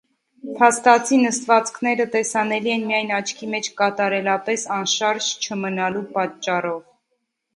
Փաստացի նստվածքները տեսանելի են միայն աչքի մեջ կատարելապես անշարժ չմնալու պատճառով։